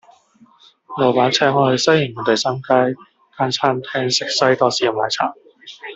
老闆請我去西營盤第三街間餐廳食西多士飲奶茶